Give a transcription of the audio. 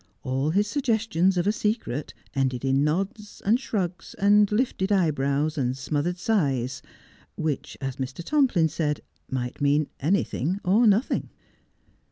All his suggestions of a secret ended in nods, and shrugs, and lifted eyebrows, and smothered sighs, which, as Mr. Tomplin said, might mean any thing or nothing.